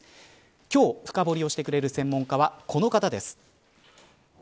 今日深堀してくれる専門家はこの方です。